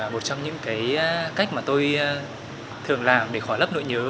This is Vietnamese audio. một trong những cách mà tôi thường làm để khỏa lấp nỗi nhớ